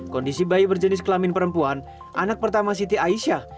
kondisi bayi berjenis kelamin perempuan anak pertama siti aisyah